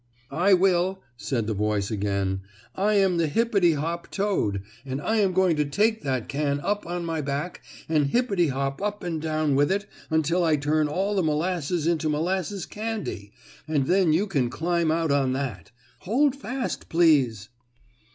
"I will," said the voice again. "I am the hippity hop toad, and I am going to take that can up on my back, and hippity hop up and down with it until I turn all the molasses into molasses candy, and then you can climb out on that. Hold fast, please."